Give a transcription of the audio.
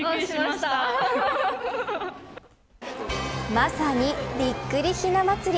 まさに、びっくりひな祭り。